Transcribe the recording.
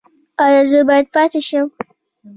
ایا زه باید پاتې شم؟